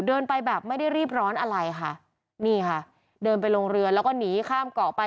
เดินไปแบบไม่ได้รีบร้อนอะไรค่ะนี่ค่ะเดินไปลงเรือแล้วก็หนีข้ามเกาะไป